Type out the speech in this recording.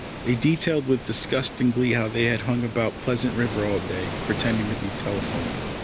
They detailed with disgusting glee how they had hung about Pleasant River all day, pretending to be telephone men.